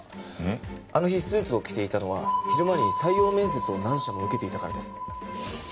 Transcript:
あの日スーツを着ていたのは昼間に採用面接を何社も受けていたからです。